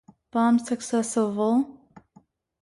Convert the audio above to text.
Bom Sucesso Vol.